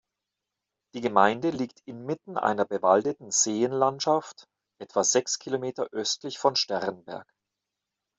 Die Gemeinde liegt inmitten einer bewaldeten Seenlandschaft etwa sechs Kilometer östlich von Sternberg.